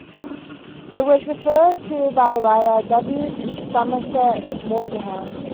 It was referred to by the writer W. Somerset Maugham.